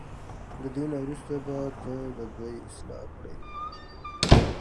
له دې نه وروسته به ته د دوی اصلاح کړې.